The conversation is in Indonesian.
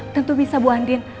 tentu bisa bu andien